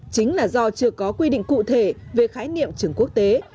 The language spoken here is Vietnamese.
chính là do chưa có quy định cụ thể về khái niệm trường quốc tế